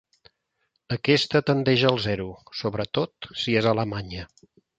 Aquesta tendeix al zero, sobretot si és alemanya.